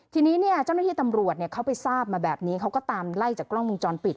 ทีนี้เจ้าหน้าที่ตำรวจเขาไปทราบมาแบบนี้เขาก็ตามไล่จากกล้องวงจรปิด